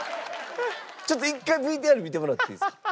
ちょっと一回ＶＴＲ見てもらっていいですか？